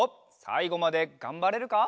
さいごまでがんばれるか？